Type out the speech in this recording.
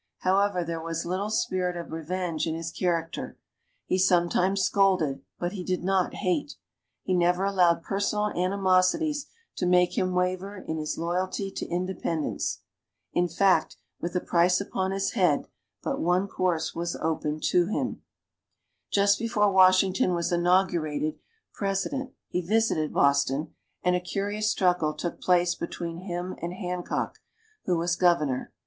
However, there was little spirit of revenge in his character: he sometimes scolded, but he did not hate. He never allowed personal animosities to make him waver in his loyalty to independence. In fact, with a price upon his head, but one course was open for him. Just before Washington was inaugurated President, he visited Boston, and a curious struggle took place between him and Hancock, who was Governor.